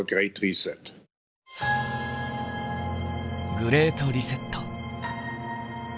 「グレート・リセット」。